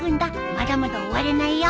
まだまだ終われないよ。